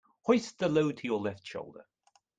Hoist the load to your left shoulder.